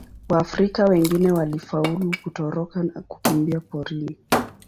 Waafrika wengine walifaulu kutoroka na kukimbia porini.